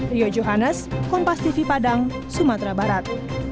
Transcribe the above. rio johannes kompas tv padang sumatera barat